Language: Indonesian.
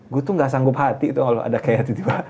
gue tuh gak sanggup hati tuh kalau ada kayak itu juga